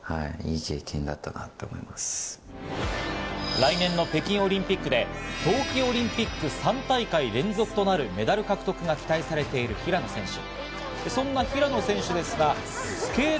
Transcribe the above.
来年の北京オリンピックで冬季オリンピック３大会連続となるメダル獲得が期待されている平野選手。